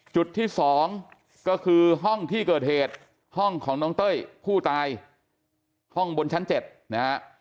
จุดที่๒ก็คือห้องที่เกิดเหตุห้องของน้องเต้ยผู้ตายห้องบนชั้น๗นะฮะ